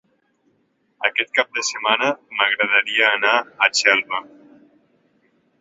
Aquest cap de setmana m'agradaria anar a Xelva.